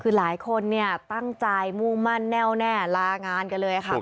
คือหลายคนเนี่ยตั้งใจมุ่งมั่นแน่วแน่ลางานกันเลยค่ะ